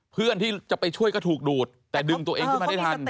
เพื่อนที่จะไปช่วยก็ถูกดูดแต่ดึงตัวเองขึ้นมาได้ทัน